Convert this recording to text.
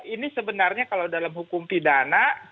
ini sebenarnya kalau dalam hukum pidana